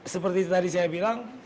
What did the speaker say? seperti yang saya katakan